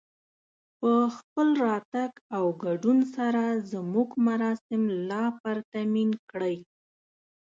په خپل راتګ او ګډون سره زموږ مراسم لا پرتمين کړئ